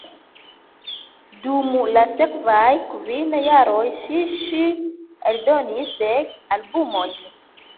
Dum la sekvaj kvin jaroj ŝi ŝi eldonis dek albumojn.